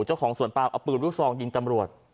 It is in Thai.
เจ้าของสวนปามเอาปืนลูกซองยิงตำรวจ